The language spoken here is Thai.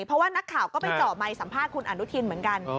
เพราะว่านักข่าวก็ไปเจาะไมค์สัมภาษณ์คุณอนุทินเหมือนกัน